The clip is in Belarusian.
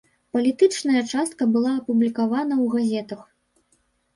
Палітычная частка была апублікавана ў газетах.